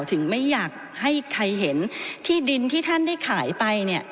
ไม่อยากให้ใครเห็นที่ดินที่ท่านได้ขายไปเนี่ย